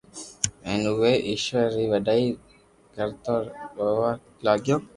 ھين او وي ايشور ري وڏائي رتو يوا لاگيو